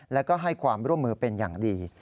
แล้วก็ให้ความร่วมมือเป็นอย่างดี